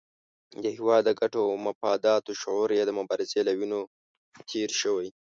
د هېواد د ګټو او مفاداتو شعور یې د مبارزې له وینو تېر شوی.